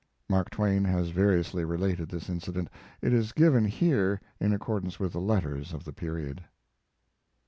[Mark Twain has variously related this incident. It is given here in accordance with the letters of the period.